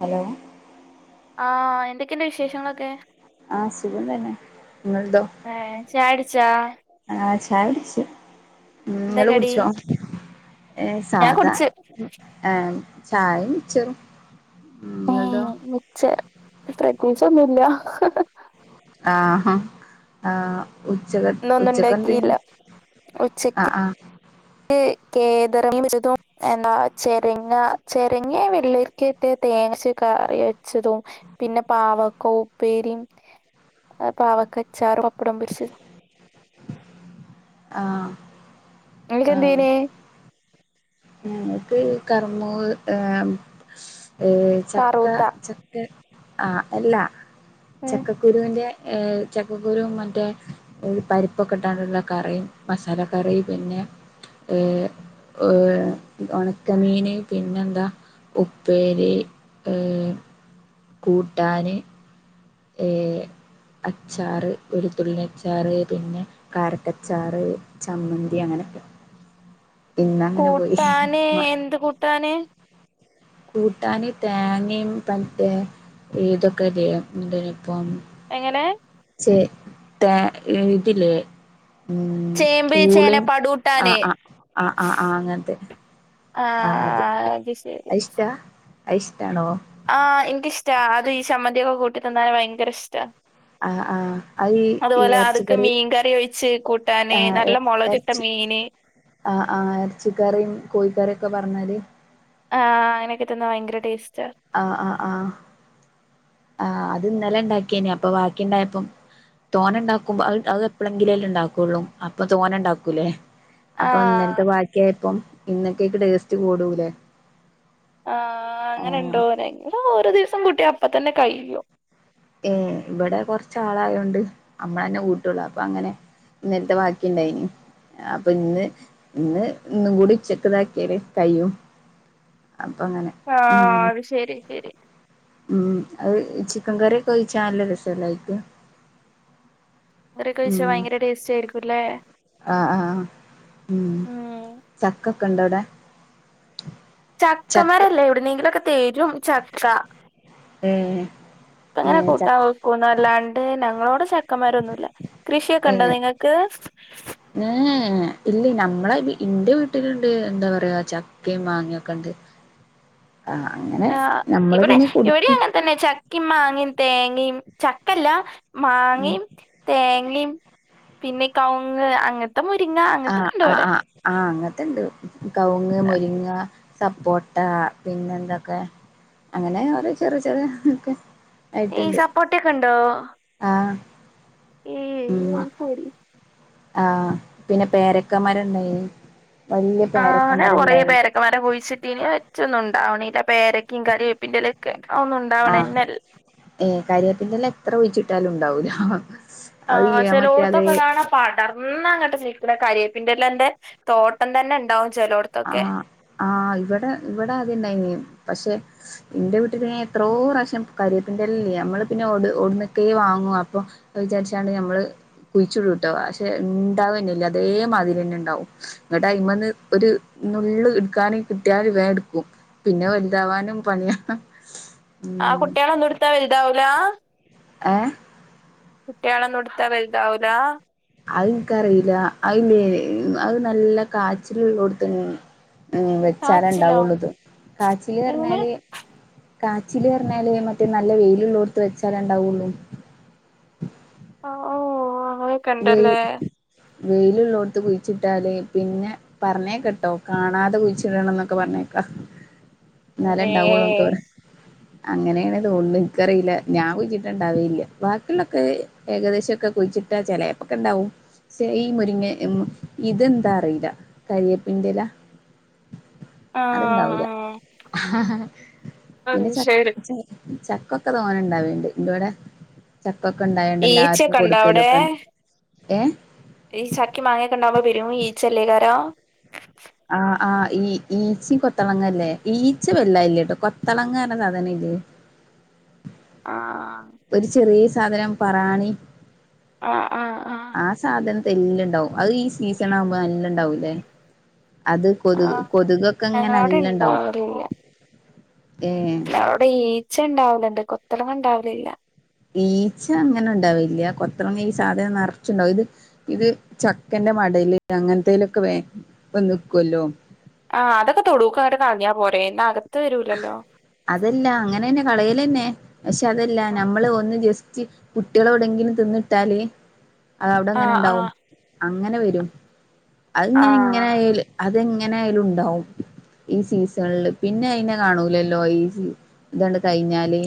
Hello ആഹ് എന്തൊക്കെന്റെ വിശേഷങ്ങളൊക്കെ ആഹ് സുഖം തന്നെ ഇങ്ങൾതോ ഏഹ് ചായടിച്ചാ ആഹ് ചായടിച്ച് എന്താ കടി ഏഹ് ഞാൻ സാധാ കുടിച്ച് ഏ ചായും മിച്ചറും ഉം ഇങ്ങൾതോ ഏഹ് മിച്ചർ പ്രതേയിച്ച് ഒന്നുല്ല ആഹ് ആഹ് ഉച്ചക് ഇന്നൊന്നും ഉച്ചക്കെന്തേനി ഉണ്ടാക്കിയില്ല ആഹ് ആഹ് കേതറമീൻ വെച്ചതും എന്നാ ചെരങ്ങ ചെരങ്ങെ വള്ളരിക്കെട്ട് തേങ്ങര്ച്ച് കറി ച്ചതും പിന്നെ പാവക്ക ഉപ്പേരിം അ പാവക്കച്ചാറും പപ്പടം പോര്ച്ചതും ആഹ് ആഹ് ഇങ്ങക്ക്ന്തേനീ ഞങ്ങക്ക് കർമ്മൂ ഏമ് ചക്ക കറൂത്ത ച്ച ആഹ് അല്ല ഉം ചക്കക്കുരുന്റെ ചക്കക്കുരു മറ്റേ ഒര് പരിപ്പൊക്കെ ഇട്ടാണ്ടുള്ള കറിം മസാല കറിം പിന്നെ ഏ ഒര് ഒണക്കമീന് പിന്നെന്താ ഉപ്പേരി ഏഹ് കൂട്ടാന് ഏഹ് അച്ചാറ് ഒരു തുള്ളിയച്ചാറ് പിന്നെ കാരക്കച്ചാറ് ചമ്മന്തി അങ്ങനൊക്കെ കൂട്ടാന് എന്ത് കൂട്ടാന് കൂട്ടാന് തേങ്ങിം പറ്റേ ഇതൊക്കെല്ല്യെ എന്തേനിപ്പം എങ്ങനെ ചെ തെ ഇതില്ലേ ഉം ചേമ്പ് ചേന പൂളിം പടൂട്ടാന് ആഹ് ആഹ് ആഹ് ആഹ് ആഹ് അങ്ങൻത്ത് ആഹ് അത് അഇഷ്റ്റാ അ ഇഷ്റ്റാണോ ആഹ് ഇൻക് ഇഷ്റ്റാ അത് ഈ ചമ്മന്തിയൊക്കെ കൂട്ടിതിന്നാന് ഭയങ്കര ഇഷ്റ്റാ ആഹ് ആഹ് അത് ഈ അതുപോലെ അത്ക്ക് ഇറച്ചിക്കറി മീൻകറി ഒഴിച്ച് കൂട്ടാന് ആഹ് നല്ല മുളക് ട്ട ഇറച്ചി മീന് ആഹ് ആഹ് എറച്ചിക്കറിം കോഴിക്കറിം ഒക്കെ പാർന്നാല് ആഹ് അങ്ങനൊക്കെ തിന്നാ ഭയങ്കര ടേസ്റ്റാ ആഹ് ആഹ് ആഹ് ആഹ് അത് ഇന്നലെ ഇണ്ടാക്കിയേനി അപ്പൊ വാക്കിണ്ടായപ്പം തോന ഇണ്ടാക്കുമ്പ അഅ് അഅ് എപ്പളെങ്കിലുല്ലെ ഇണ്ടാക്കൊള്ളൂ അപ്പൊ തോനണ്ടാക്കൂല്ലെ അപ്പൊ ആഹ് ഇന്നൽത്തെ വാക്കിയാപ്പം ഇന്നക്കെക്ക് ടേസ്റ്റ് കൂടൂലേ ആഹ് ആഹ് അങ്ങനിണ്ടോ ഞങ്ങള് ഓരോ ദിവസം കൂട്ടിയാ അപ്പ തന്നെ കയും ഉം ഇവിടെ കൊറച്ചാളായോണ്ട് അമ്മളന്നെ കൂട്ടുള്ളു അപ്പ അങ്ങനെ ഇന്നൽത്തെ വാക്കിണ്ടായിന് അപ്പ ഇന്ന് ഇന്ന് ഇന്നും കൂടി ഉച്ചക്ക് ഇതാക്കിയാല് കയ്യും അപ്പങ്ങനെ ആഹ് അത് ശെരി ശരി ഉം അത് ചിക്കൻ കറിയൊക്കെ ഒഴിച്ചാ നല്ല രസല്ലയിക്ക് കറിയൊക്കെ ഒഴിച്ചാ ഉം ഭയങ്കര ടേസ്റ്റായിരിക്കുലേ ആഹ് ആഹ് ഉം ചക്ക ഒക്കെ ഇണ്ടവിടെ ചക്കമരല്ല എവിടുന്നെങ്കിലൊക്കെ തെരും ചക്ക ഉം ഇപ്പങ്ങനെ കൂട്ടാവെക്കുന്നല്ലാണ്ട് ഞങ്ങളോടെ ചക്കമരൊന്നുല്ല കൃഷിയൊക്കെ ഇണ്ട നിങ്ങക്ക് ക്ക് ഏഹ് ഇല്ല നമ്മളെ ഇന്റെ വീട്ടില്ണ്ട് എന്താ പറയാ ചക്കിം മാങ്ങിയൊക്കെണ്ട്. ആഹ് അങ്ങനെ നമ്മള് പിന്നെ കൊടുക്കും. പിന്നെ ചക്കി മാങ്ങിം തേങ്ങയും ചക്കല്ല ഉം മാങ്ങേ തേങ്ങിം പിന്നെ കവുങ്ങ് അങ്ങന ആഹ് ആഹ് ഹാ ആഹ് അങ്ങനത്തെണ്ട് കവുങ്ങ് ആ, മുരിങ്ങ സപ്പോട്ട പിന്നെ എന്തൊക്കെ? അങ്ങനെ ഒരു ചെറിയ ചെറ് തൊക്കെ. ഈ സപ്പോർട്ടൊക്കെ ഉണ്ടോ? ആഹ് ഏയ് ഉം അയ്സരി ആഹ് പിന്നെ പേരക്ക മരം ഇണ്ടായിനി വല്ല്യ പേരക്ക മരം ഇണ്ടായിനി. മരം കുഴിച്ചിട്ടിനി ഒറ്റൊന്നുണ്ടാവ്ണില്ല പേരക്കിം കരിയേപ്പിന്റെലൊക്കെ അതൊന്നു ആഹ് ഏ കരിയാപ്പിന്റെല എത്ര കുഴിച്ചിട്ടാലും ഇണ്ടാവൂല ആ ചെലോട്ത്തൊക്കെ കാണാ പടർന്നങ്ങട്ട് നിക്കണെ കരിയേപ്പിന്റെലന്റെ തോട്ടം തന്നെ ഇണ്ടാവും. ആഹ് ആഹ് ഇവിടെ ഇവിടെ ആദ്യണ്ടായിന് പക്ഷെ ഇന്റെ വീട്ടില് ഞാ എത്രോ പ്രാവശ്യം കരിയപ്പിന്റെല്ലേ ഞമ്മള് പിന്നെ ഓട്നക്കെ വാങ്ങു അപ്പൊ അത് വിചാരിച്ചാണ്ട് നമ്മള് കുഴിച്ചിടുട്ടോ പക്ഷെ ഇണ്ടാവന്നെല്ല അതേമാതിരി തന്നെ ഇണ്ടാവും. ഇങ്ങട്ട് അയിമെന്ന് ഒരു നള്ള് എടുക്കാനും കിട്ടിയാൽ വേഗടുക്കും പിന്നെ വലുതാവാനും പണിയ ആഹ് കുട്ടികളൊന്നും എടുത്താ വലുതാവൂല? ഏഹ് കുട്ടിയാളൊന്നെടുത്താ വലുതാവൂല? അത്നിക്കറിയില്ല അതില്ലേ അത് നല്ല കാച്ചിൽ ഉള്ളോടുത്ത ഉ കാച്ചിലോ വെച്ചാല്ണ്ടാവുള്ളത് കാച്ചില് എങ്ങനെ പറഞ്ഞാല് കാച്ചില് പറഞ്ഞാല് മറ്റേ നല്ല വെയിലുള്ളോടുത്ത് വെച്ചാലേ ഇണ്ടാവൊള്ളൂ. ആഹ് ഓ ഓ വെയ് വെയിലുള്ളോടുത്ത് കുഴിച്ചിട്ടാല് പിന്നെ പറഞ്ഞേക്ക്ട്ടോ കാണാതെ കുഴിച്ചിടണംന്നൊക്കെ പറഞ്ഞേക്കാ. എന്നാലെ ഏ ഇണ്ടാവൊള്ളുന്നൊക്കെ പറിം അങ്ങനേണ് തോന്ന്ണ് നിക്കറില്ല ഞാൻ കുഴിച്ചിട്ടണ്ടാവേയില്ല ബാക്കിയുള്ളൊക്കെ ഏകദേശം ഒക്കെ കുഴിച്ചിട്ടാ ചെലേപ്പൊക്കെ ഇണ്ടാവും. ശേ ഈ മുരിങ്ങ ഇതെന്താ അറിയില്ല കരിയേപ്പിന്റെലാ അത്ണ്ടാവൂല ആഹ് അത് പിന്നെ ച ശരി ചക്കൊക്കെ തോനേ ഇണ്ടാവല്ണ്ട് ഇന്റോടെ ചക്കൊക്കെ ഇണ്ടായോണ്ട് എല്ലാർക്കും ഈച്ചയൊക്കെ ഉണ്ടോ കൊടുക്കലും അവിടെ ഏഹ് ഈ ചക്കി മാങ്ങൊക്കെണ്ടാവ്പോ പെരും ഈച്ചെല്ലക്കാരോ ആ, ആ, ഈ, ഈച്ചി കൊത്തളങ്ങല്ലേ ഈച്ചി വെല്ല ഇല്ല ട്ടോ കൊത്തളങ്ങ റഞ്ഞ സാധനല്ലേ? ആ. ആ ഒരു ചെറിയ സാധനം പറാണി. ആ ആ സാധനം തെല്ല് ഇണ്ടാവും അത് ഈ സീസൺ ആവുമ്പോ നല്ല ഇണ്ടാവുംല്ലേ? അത് കൊതുക് ആഹ് കൊതുകൊക്കെ ഇങ്ങനെ ഞങ്ങളവിടെ നല്ല ഇണ്ടാവും ഇണ്ടാവലില്ല ഏ അവിടെ ഈച്ച ഇണ്ടാവല്ണ്ട് കൊത്തളങ്ങ ഇണ്ടാവലില്ല. ഈച്ച അങ്ങനെ ഇണ്ടാവില്ല. കൊത്തിൾങ്ങ ഈ സാധനം നറച്ചുണ്ടാവും ഇത്. ഇത് ചക്കന്റെ മടൽ അങ്ങനത്തേലൊക്കെ വേഗം വന്ന് ക്കുവല്ലോ? ആഅതൊക്കെ തൊടുക്കങ്ങനെ കളഞ്ഞാ പോരേ ഇന്ന അകത്ത് വരൂല്ലല്ലോ? അതല്ല അങ്ങനെന്നെ കളയലെന്നെ പക്ഷെ അതല്ല ആഹ് നമ്മള് ഒന്ന് ജസ്റ്റ്. കുട്ടികള് എവിടെങ്കിലും തിന്നിട്ടാല് അത് അവിടെ അങ്ങനെ ഉണ്ടാവും. ആഹ് അങ്ങനെ വരും അതിങ്ങനെ ഇങ്ങനെ ആഹ് ആയാല്. അതെങ്ങനെയാലും ഉണ്ടാവും ഈ സീസണില് പിന്നെ അതിനെ കാണൂലലോ? ലോ ഇതണ് കഴിഞ്ഞാല്?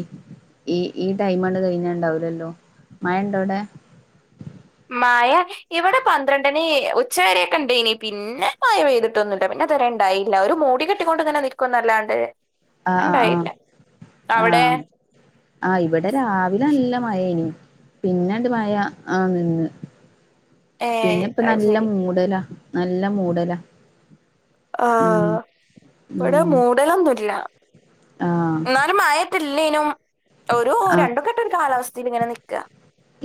ഈ, ഈ, ടൈമ് കഴിഞ്ഞ ഉണ്ടാവില്ലല്ലോ? മഴ ഉണ്ടോവിടെ? മഴ. ഇവിടെ പന്ത്രണ്ടിണി ഉച്ചവരെയൊക്കെ ഉ ണ്ടായിനീ പിന്നെ മഴ പെയ്തിട്ടൊന്നുല്ല. പിന്നെ ഇതുവരെ ഉണ്ടായില്ല ഒരു മൂടി കെട്ട്- ട്ടികൊണ്ട് ഇങ്ങനെ നിക്കുന്നല്ലാണ്ട് ആഹ് ഉണ്ടായില്ല ആഹ് അവിടെ? ആ, ഇവിടെ രാവിലെ നല്ല മഴ ഏന് പിന്നെണ്ട് മഴ ആ നിന്ന്. ഏ പിന്നെ ഇപ്പ അത് നല്ല ശരി മൂടലാ നല്ല മൂടലാ. ആ, ഉം ഉം ഇവിടെ മൂടലൊന്നുല്ല. ആഹ് എന്നാലും മഴ ല്ലേനും ഒരു ആ രണ്ടുംക്കെട്ട ഒരു കാലാവസ്ഥയിൽ ഇങ്ങനെ നിക്ക.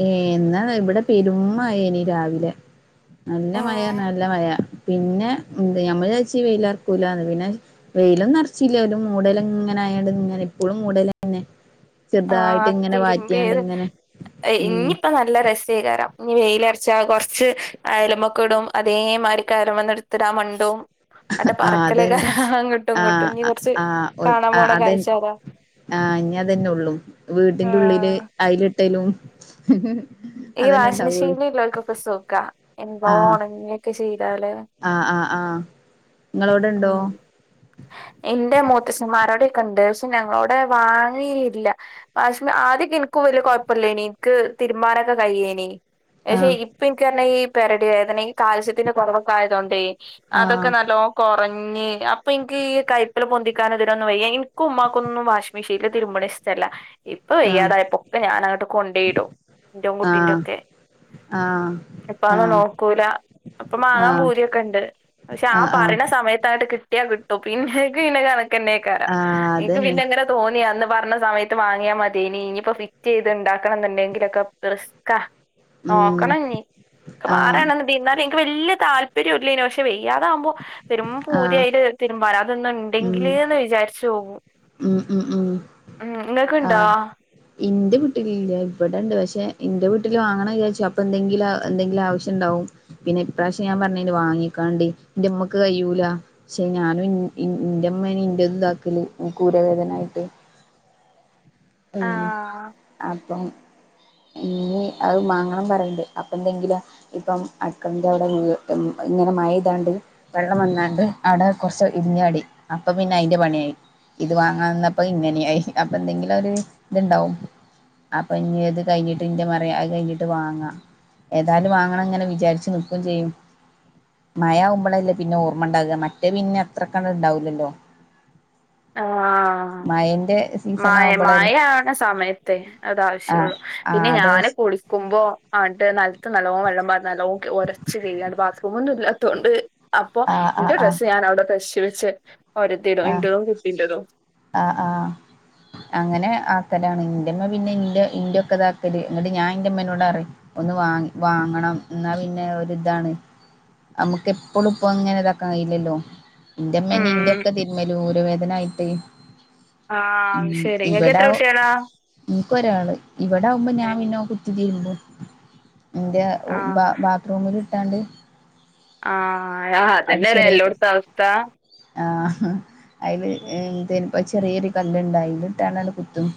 ഏ, എന്നാൽ ഇവിടെ പെരുമ്മഴ ന് രാവിലെ നല്ല ഏ മഴ, നല്ല മഴ, പിന്നെ ഞമ്മൾ വിചാരിച്ച് വായില്ലാർക്കുല്ലന്ന് പിന്നെ വെയിലൊന്നും അർച്ചില്ലേലും മൂടല് ങ്ങനെ ആയാ ണ്ട് ങ്ങനെ ഇപ്പോഴും മൂടല് ന്നെ. ആ ചെറുതായിട്ട് ഇങ്ങനെ പാറ്റിയാണ്ട് തിരുമ്പിയത് ഇങ്ങനെ. ഉം ഇനിയിപ്പ- [unintelligible] നല്ല രസേക്കാരം ഇനി വെയിലറ്ച്ച കുറച്ച് അയലുമൊക്കെ ഇടും. അതേമാതിരി കയറ്മെന്ന് എടു ഉത്തരാമണ്ട് [unintelligible] ആട്ട് ആ പറക്കലൊക്കെ അതന്നെ അങ്ങോട്ടും ആ ഇങ്ങോട്ടും ഇനി കുറച്ച് ആ കാണാൻ ആ പോണ അതെ കഴിച്ച അതാ ആ, ഇഞ്ഞി അതന്നെ ഉള്ളൂ വീട്ടിന്റെള്ളില് ആഹ് അയിലിട്ടലും ഈ വാഷിംഗ മെഷീനില്ലവർക്കൊക്കെ സുഖ എന്താ ആ ഉണങ്ങിയൊക്കെ ചെയ്താല് ആ, ആ, ആ, ങ്ങളോടെണ്ടോ? ഉം എന്റെ മൂത്തച്ഛന്മാരോടെക്കണ്ട് പക്ഷെ ഞങ്ങളോടെ വാങ്ങിയില്ല. വാഷ് ആദ്യൊക്കെ എനിക്ക് വലിയ കുഴപ്പില്ലയ്ന് എനിക്ക് തീരുമ്പാനോക്കെ കഴിയേന് ആ പക്ഷെ ഇപ്പ എനിക്കെ ഈ പിരടി വേദന കാൽസ്യത്തിന്റെ കൊറവൊക്കെ ആയതോണ്ടേ ആ അതൊക്കെ നല്ലോ- കുറഞ്ഞ് അപ്പോ എനിക്ക് ഈ കൈപ്പില പൊന്തിക്കാനെ തിനൊന്നും വയ്യ എനിക്കും ഉമ്മാക്കൊന്നും വാഷ- മിഷീനിൽ തിരുമ്പണ ഇഷ്ടല്ല ഇപ്പൊ ആ വയ്യാതായപ്പോക്കെ ഞാൻ അങ്ങട്ട് കൊണ്ടയിടും. ന്റെതും ആ കുട്ടിന്റെ ഒക്കെ ആ. ഇപ്പ ആൾ ആ നോക്കൂല ഇപ്പോ മാങ്ങാൻ ആഹ് പൂതിയോക്കെ ഉണ്ട്. പക്ഷേ ആ ആഹ് ആഹ് പറണ സമയത്തങ്ങട്ട് കിട്ടിയ കിട്ടും. ഓ പിന്നെ എനിക്ക് പിന്നെ കണക്കന്നെക്കാരം ആഹ് എനിക്ക് അതന്നെ പിന്നെങ്ങനെ തോന്നിയാ അന്ന് പറഞ്ഞ സമയത്ത് വാങ്ങിയാ മതിയെന് ഇനിയിപ്പോ ഫിറ്റ് ചെയ്ത്ണ്ടാക്കണം എന്നുണ്ടെങ്കിലൊക്കെ- റിസ്ക്ക ഉം നോക്കണന്നി ഇക്ക് ആഹ് മാറാണെന്ന് എന്നാലും എനിക്ക് വല്യ താല്പര്യം ഇല്ലേന് പക്ഷെ വയ്യാതാകുമ്പോ- പെരും ആഹ് പൂതിയായിട്ട് തിരുമ്പാന് അതൊന്ന് ഉം ഇണ്ടെങ്കില്ന്ന് വിചാരിച്ചോകും ഉം ഉം ഉം ആ. ഇണ്ടോ ഇന്റെ വീട്ടിലില്ല. ഇവിടെണ്ട് പക്ഷെ ഇന്റെ വീട്ടിൽ വാങ്ങണ വിചാരിച്ചു. അപ്പോ എന്തെങ്കിലും എന്തങ്കിലും ആവശ്യ- ണ്ടാവും പിന്നെ ഇപ്രാവശ്യം ഞാൻ പറഞ്ഞല് വാങ്ങിക്കാണ്ട് ഇന്റെ ഉമ്മക്ക് കഴിയൂല. പക്ഷെ ഞാനും ഇന്റെമ്മേനെ ഇന്റെത് ഇതാക്കല് ന്ക്ക് ഊരവേദനായിട്ട്. ആഹ് അപ്പം. ഇനി അത് മാങ്ങാം പറയണ്ട് അപ്പൊ എന്തെങ്കിലോ. ഇപ്പം അടുക്കളന്റെ അവിടെ ഇങ്ങനെ മയ പൈത്കാണ്ട്. വെള്ളം വന്നകാണ്ട് അവിടെ കുറച്ച് ഇടിഞ്ഞാടി അപ്പ പിന്നെ അയിന്റെ പണിയായി. ഇത് വാങ്ങാനിന്നപ്പോ ഇങ്ങനെയായി അപ്പൊ എന്തെങ്കിലും ഒരു ഇത്ണ്ടാവും. അപ്പൊ ഇനി അത് കഴിഞ്ഞിട്ട് ഇന്റെ മ്മ പറ അത് കഴിഞ്ഞിട്ട് വാങ്ങാം. ഏതായാലും വാങ്ങണം ങ്ങനെ വിചാരിച്ച് നിൽക്കും ചെയ്യും. മഴ ആവുമ്പോളല്ലേ പിന്നെ ഓർമ്മ ഉണ്ടാക മറ്റേ പിന്നെ അത്രക്ക്‌ അങ്ങ് ഉണ്ടാവൂല്ലല്ലോ? [inaudible] ആഹ് മഴന്റെ മയ ആവുമ്പോളല്ലേ മയ ആവണ സമയത്തെ ആ അതാവശ്യള്ളു ആ പിന്നെ അത് ഞാന് കുളിക്കുമ്പോ- ആണ്ട് നിലത്തു നല്ലോം വെള്ളം പാർന്നു നല്ലോം ഉരച്ചു കഴുകികാണ്ട് ബാത്രറൂം ഇല്ലാതോണ്ട്. അപ്പൊ ആ ആ എന്റെ ആ ഡ്രസ്സ് ഞാൻ അവിടെ ക്‌ളഷ് വെച്ച് രതിടും ഇന്റതും ആ കുട്ടിന്റെ തും. ആ ആഹ് അങ്ങനെ ആക്കലാണ് ഇന്റെമ്മ പിന്നെ ഇന്റെ ഇന്റെ ഒക്കെ ഇതാക്കല് ഇങട് ഞാ എന്റെമ്മേനോട് അറി ഒന്ന് വാങ്ങി വാങ്ങണം എന്നാ പിന്നെ ഒരിതാണ്. നമ്മുക്ക് എപ്പഴും ഇപ്പ ഇങ്ങനെ ഇതാക്കൻ കഴിയില്ലല്ലോ എന്റെ ഇമ്മേന്നെ ഉം ഇന്റെയൊക്കെ തിരുമലും ഊര വേദനായിട്ട് ആഹ് ശരി ഇങ്ങക്ക് ഇവിട എത്ര കുട്ടികളാ ഇൻക്ക് ഒരാള് ഇവടെ ആകുമ്പോ ഞാൻ ഏഹ് പിന്നെ കുത്തി തിരുമ്പും ഇൻ്റെ ഓ ബാ ആഹ് ബാത്ത്റൂമിൽ ഇട്ടാണ്ട് ആഹ ആ അതന്നെല്ലേ എല്ലോടത്ത അവസ്ഥ ആ അയില് ഏ ന്തെനിപ്പ ചെറിയ ഒരു കല്ലണ്ട് അയിലിട്ടാണ്ട് കുത്തും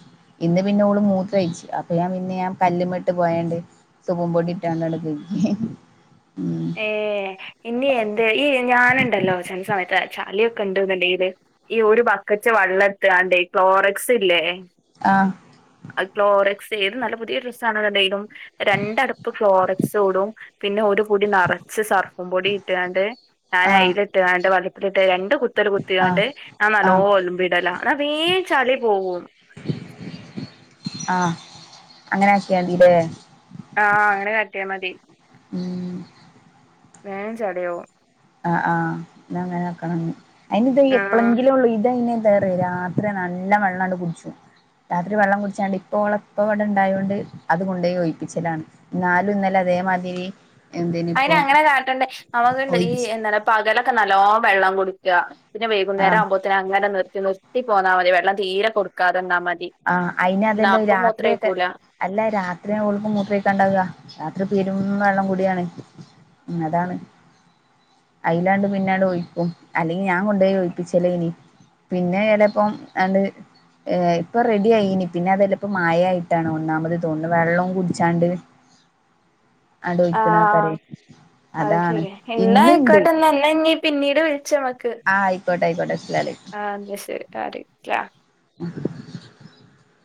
ഇന്ന് പിന്നെ ഓള് മൂത്രയിച്ചു അപ്പൊ ഞാൻ പിന്നെ ഞാൻ കല്ലുമിട്ട് പോയാണ്ട് സോപ്പും പൊടി ഇട്ടാണ്ടണ് [unintelligible] ഏ ഇനി എന്ത് ഈ ഞാൻണ്ടല്ലോ ചെല സമയത്ത് ചളിയൊക്കെ ഇണ്ട്ന്ന്ണ്ടെങ്കില് ഈ ഒരു ബക്കറ്റ് വള്ളം എട്ത്താണ്ടേ ക്ലോറക്സ് ഇല്ലേ ആഹ് ക്ലോറക്സ് ഏത് നല്ല പുതിയ ഡ്രസ്സ് ആണെന്നങ്കിലും രണ്ട് അടപ്പ് ക്ലോറക്സ് ഇടും പിന്നെ ഒരു പൊടി നറച്ച് സർഫു പൊടി ഇട്ടുകാണ്ട് ഞൻ ആഹ് അയിലിട്ടുകാണ്ട് വലുപ്പിട്ട രണ്ട് കു [unintelligible] കുത്തലു ആഹ് കുത്തികാണ്ട് അത് നല്ലോം ആഹ് ഒല്മ്പിടലാ ഇന്നാ വേം ചളി പോവും ആഹ് അങ്ങനെ കാട്ടിയതില്ലേ ആ അങ്ങനെ കാട്ടിയ മതി ഉം വേം ചളിയോവും ആഹ് ആഹ് അങ്ങനെ ആക്കണം അയ്ന് ഇത് ആഹ് എപ്പഴെങ്കിലും ഒള്ളൂ ഇതെന്നെ [unintelligible] രാത്രി നല്ല വെള്ളണ്ട് കുട്ച്ചും രാത്രി വെള്ളം കുടിച്ചാല് ഇപ്പ ഓളെപ്പ ഇവിടെ ഉണ്ടായൊണ്ട് അത് കൊണ്ട് പോയി ഒഴിയിപ്പിച്ചിലാണ്. എന്നാലും ഇന്നലെ അതേമാതിരി അയ്ന് എന്തേനിപ്പോ അങ്ങനെ കാട്ടണ്ടേ അവകണ്ട് ഈ ഒഴിച്ച് എന്താന്ന് [unintelligible] പകലൊക്കെ നല്ലോ വെള്ളം കുടിക്ക പിന്നെ വൈകുന്നേരം ആഹ് ആവുമ്പോത്തിന് അങ്ങനെ നിർത്തി നിർത്തി പോന്നാ മതി വെള്ളം തീരെ കൊടുക്കാതെന്നാ മതി ആഹ് അയ്ന് ന്നാ അതന്നെ അപ്പം രാത്രിയൊക്കെ മൂത്രൊയ്ക്കൂല അല്ല രാത്രിയാണ് ഓൾക്ക് മൂത്രയിക്കാണ്ടാവാ രാത്രി പെരും വള്ളം കുടിയാണ് ഉം അതാണ് അയിലാണ്ട് പിന്നാണ്ട് ഒഴിക്കും അല്ലെങ്കി ഞാൻ കൊണ്ടോയി ഓയിപ്പിച്ചല്ലേനി പിന്നെ ചലപ്പം അണ്ട് ഏ ഇപ്പൊ റെഡി ആയിനി പിന്നെ അതെല്ലപ്പോ മായായിട്ടാണ് ഒന്നാമത് തോന്നുന്നത് വെള്ളവും കുടിച്ചാണ്ട് അ ആഹ് ടൊഴിക്ക്ണാക്കാരെ അതാണ് ഇന്ന്ണ്ട് ന്നാ ഇഞ്ഞ് പിന്നീട് വിളിച്ച മ്മക്ക് ആഹ് അയിക്കട്ടെ അയിക്കോട്ടെ അസ്സലാ അലൈ ആഹ് ന്നാ ശരി [unintelligible] ആഹ്